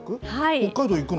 北海道行くの？